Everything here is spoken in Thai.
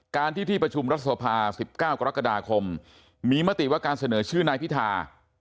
การที่ที่ประชุมรัฐสภา๑๙กรกฎาคมมีมติว่าการเสนอชื่อนายพิธา